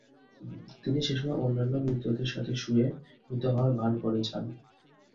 তিনি সেসময় অন্যান্য মৃতদের সাথে শুয়ে মৃত হওয়ার ভান করে বেঁচে যান।